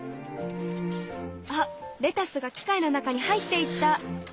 あレタスが機械の中に入っていった！